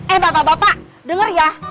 eh bapak bapak dengar ya